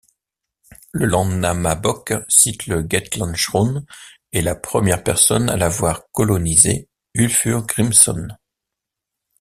Le Landnámabók cite le Geitlandshraun et la première personne à l'avoir colonisé, Ulfur Grimsson.